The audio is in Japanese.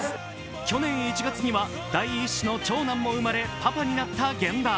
去年１月には第一子の長男も生まれパパになった源田。